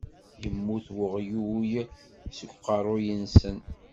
Yemmut weɣyul seg uqeṛṛuy-nsen.